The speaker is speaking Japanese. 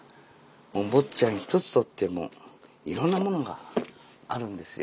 もう「坊っちゃん」一つとってもいろんなものがあるんですよ。